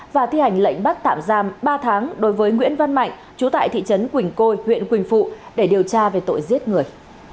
và thi hành lệnh bắt tạm giam ba tháng đối với nguyễn văn mạnh chú tại thị trấn quỳnh côi huyện quỳnh phụ để điều tra về tội giết người